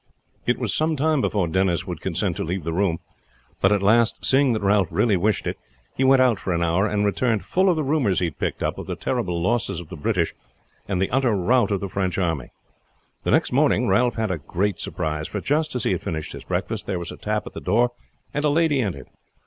It was some time before Denis would consent to leave the room; but at last, seeing that Ralph really wished it, he went out for an hour, and returned full of the rumors he had picked up of the terrible losses of the British, and the utter rout of the French army. The next morning Ralph had a great surprise; for just as he had finished his breakfast there was a tap at the door, and a lady entered.